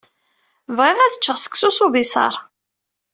Bɣiɣ ad ččeɣ seksu s ubiṣaṛ.